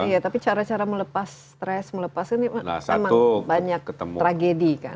iya tapi cara cara melepas stress melepas kan ini emang banyak tragedi kan